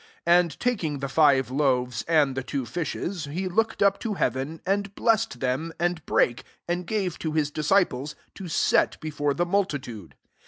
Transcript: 16 And taking the five loaves and the two fislies, he looked up to heaven, and blessed them^ and brake, and gave to his dis^ oiples to set before the multi tude.